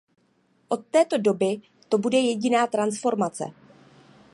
Od této doby to bude jediná transformace.